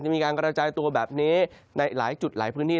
มีการกระจายตัวแบบนี้ในหลายจุดหลายพื้นที่